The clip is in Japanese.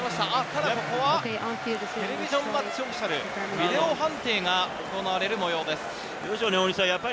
ただここはテレビジョン・マッチ・オフィシャル、ビデオ判定が行われる模様です。